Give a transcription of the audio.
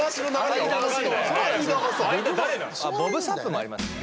ボブ・サップもありますね。